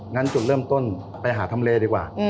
งั้นจุดเริ่มต้นไปหาทำเลดีกว่า